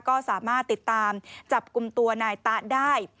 ก็สามารถติดตามจับกลุ่มตัวนายตะได้